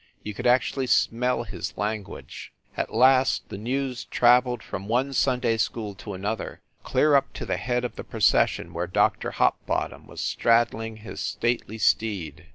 You could actually smell his language. At last the news traveled from one Sunday school to another, clear up to the head of the procession where Dr. Hopbottom was straddling his stately steed.